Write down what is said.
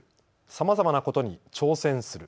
さまざまなことに挑戦する。